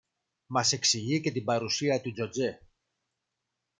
Μας εξηγεί και την παρουσία του Τζοτζέ